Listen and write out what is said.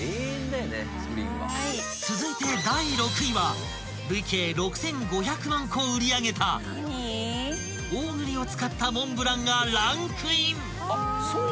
［続いて第６位は累計６，５００万個売り上げた黄栗を使ったモンブランがランクイン］